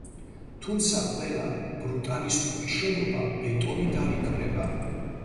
თუმცა ყველა ბრუტალისტური შენობა ბეტონით არ იქმნება.